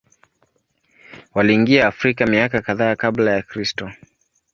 Waliingia Afrika miaka kadhaa Kabla ya Kristo.